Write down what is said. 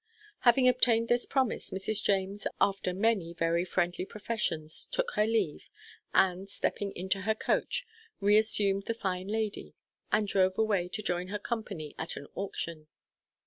Having obtained this promise, Mrs. James, after many very friendly professions, took her leave, and, stepping into her coach, reassumed the fine lady, and drove away to join her company at an auction.